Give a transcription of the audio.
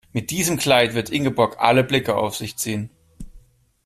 Mit diesem Kleid wird Ingeborg alle Blicke auf sich ziehen.